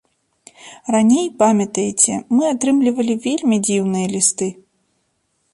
Раней, памятаеце, мы атрымлівалі вельмі дзіўныя лісты.